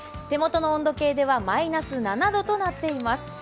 手元の温度計ではマイナス７度となっています。